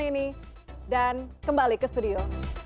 oke kita berhenti disini dan kembali ke studio